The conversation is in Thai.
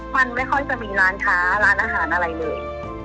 มันไม่ค่อยจะมีร้านค้าร้านอาหารอะไรเลย